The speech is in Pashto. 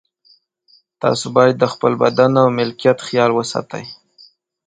تاسو باید د خپل بدن او ملکیت خیال وساتئ.